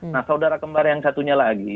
nah saudara kembar yang satunya lagi